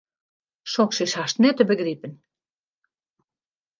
Soks is hast net te begripen.